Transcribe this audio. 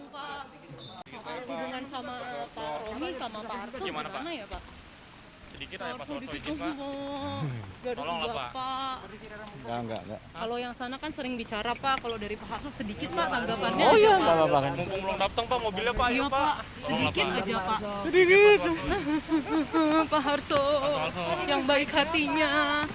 pak harso yang baik hatinya